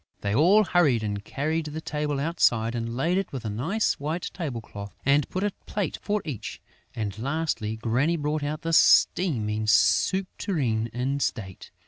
They all hurried and carried the table outside and laid it with a nice white table cloth and put a plate for each; and, lastly, Granny brought out the steaming soup tureen in state.